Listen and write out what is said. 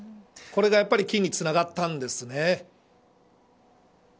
これがやっぱり金につながったんですね。